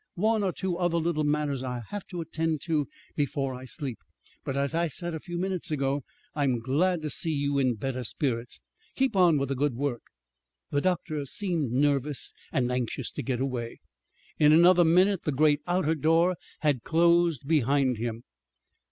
One or two other little matters I'll have to attend to before I sleep. But, as I said a few minutes ago, I'm glad to see you in better spirits. Keep on with the good work." The doctor seemed nervous, and anxious to get away; and in another minute the great outer door had closed behind him.